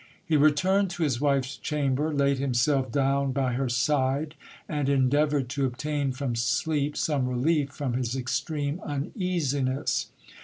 He returned to his wife's chamber, laid himself down by her side, and endeavoured to obtain from sleep some relief from his extreme uneasiness.